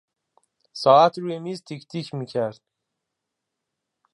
ساعت روی میز تک تک میکرد.